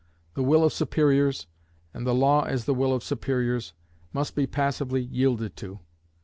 The will of superiors, and the law as the will of superiors, must be passively yielded to.